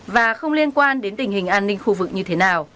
và không liên quan đến tình hình an ninh khu vực như thế nào